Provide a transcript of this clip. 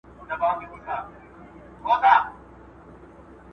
د لیکوالو د مړینې ورځې هم لمانځل کېږي.